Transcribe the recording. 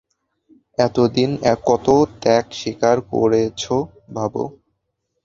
এতদিন কত ত্যাগ স্বীকার করেছ, ভাবো।